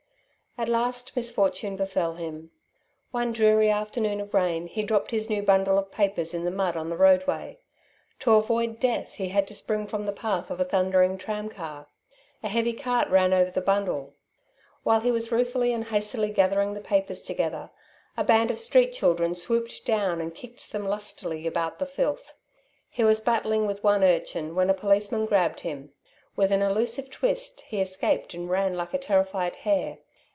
At last misfortune befell him. One dreary afternoon of rain he dropped his new bundle of papers in the mud of the roadway. To avoid death he had to spring from the path of a thundering tramcar. A heavy cart ran over the bundle. While he was ruefully and hastily gathering the papers together, a band of street children swooped down and kicked them lustily about the filth. He was battling with one urchin when a policeman grabbed him. With an elusive twist he escaped and ran like a terrified hare.